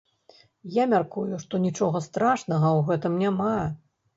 Я мяркую, што нічога страшнага ў гэтым няма.